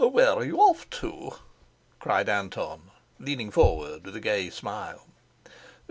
"Where are you off to?" cried Anton, leaning forward with a gay smile.